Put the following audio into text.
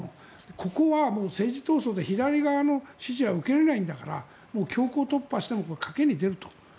ここは政治闘争、左側の主張は受け入れられないんだから強行突破して賭けに出ると。